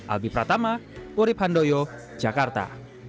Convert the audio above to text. albi pratama wurib handoyo jakarta